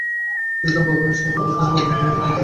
Newton ভাবলেন, সাদা আলো কেন এভাবে ভাঙল।